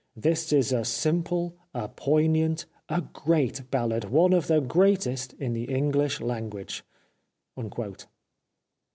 This is a simple, a poignant, a great ballad, one of the greatest in the Enghsh language."